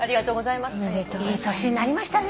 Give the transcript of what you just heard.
いい年になりましたね。